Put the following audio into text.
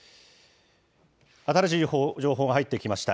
新しい情報が入ってきました。